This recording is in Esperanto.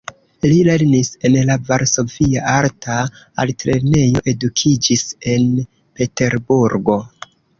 Li lernis en la Varsovia Arta Altlernejo, edukiĝis en Peterburgo.